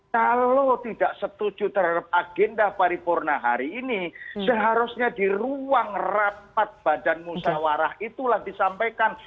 kalau tidak setuju terhadap agenda paripurna hari ini seharusnya di ruang rapat badan musawarah itulah disampaikan